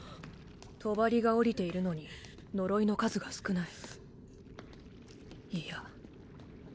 帳が下りているのに呪いの数が少ない。